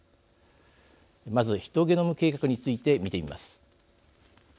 まず、ヒトゲノム計画について見てみます。